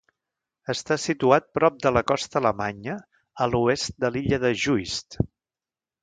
Està situat prop de la costa alemanya, a l'oest de l'illa de Juist.